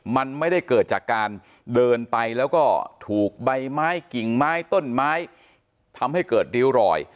มันไม่ได้เกิดจากการเดินไปแล้วก็ถูกใบไม้กิ่งไม้ต้นไม้ทำให้เกิดริ้วรอย